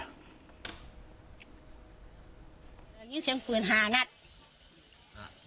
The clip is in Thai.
ลีนเสียงปืนหาหนัดเอ่อน